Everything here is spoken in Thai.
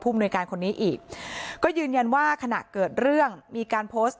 มนุยการคนนี้อีกก็ยืนยันว่าขณะเกิดเรื่องมีการโพสต์